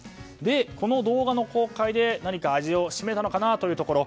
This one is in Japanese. この動画の公開で、何か味を占めたのかなというところ。